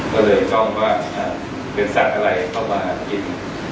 ก็เลยจ้องว่าเป็นสัตว์อะไรเข้ามาหากิน